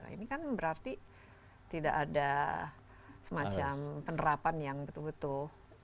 ini kan berarti tidak ada semacam penerapan yang betul betul